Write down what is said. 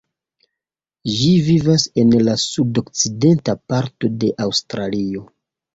Ĝi vivas en la sudokcidenta parto de Aŭstralio.